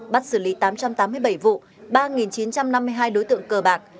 bắt xử lý tám trăm tám mươi bảy vụ ba chín trăm năm mươi hai đối tượng cờ bạc